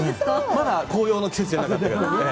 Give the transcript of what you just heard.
まだ紅葉の季節じゃなかったけど。